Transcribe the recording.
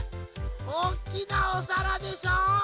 おっきなおさらでしょう？